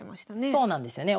そうなんですよね。